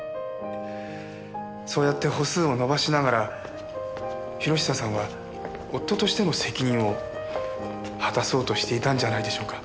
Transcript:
そうやって歩数を伸ばしながら博久さんは夫としての責任を果たそうとしていたんじゃないでしょうか。